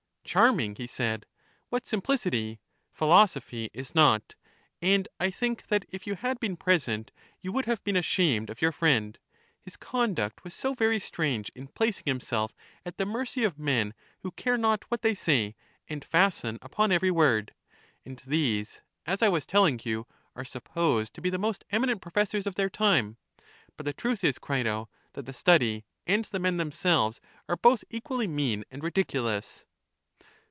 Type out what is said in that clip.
"Charming!" he said; "what simplic ity! philosophy is nought; and I think that if you had been present you would have been ashamed of your friend — his conduct was so very strange in placing himself at the mercy of men who care not what they say, and fasten upon every word. And these, as I was telling you, are supposed to be the most eminent professors of their time. But the truth is, Crito, that the study and the men themselves are both equally mean and ridiculous."